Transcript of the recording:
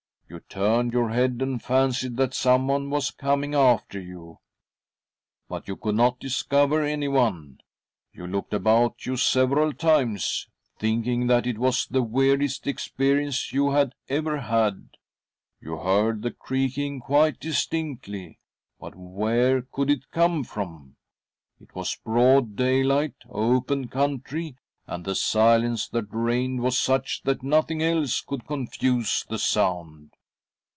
You turned your head and fancied that someone was coming after you, but you could not discover anyone. You looked about you several times, thinking that ' it was the weirdest experience you had ever had. •. You heard the creaking quite distinctly— but where could it come from ? It was broad daylight open :. country, and the silence that reigned was such that nothing else could confuse the sound.